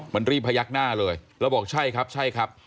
มันรีบพยักหน้าเลยแล้วบอกใช่ครับ